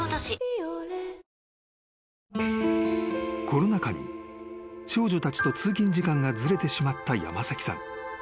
［コロナ禍に少女たちと通勤時間がずれてしまった山崎さん］